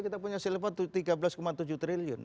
kita punya silvot tiga belas tujuh triliun